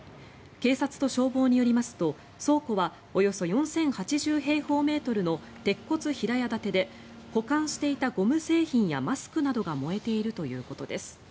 警察と消防によりますと倉庫はおよそ４０８０平方メートルの鉄骨平屋建てで保管していたゴム製品やマスクなどが燃えているということです。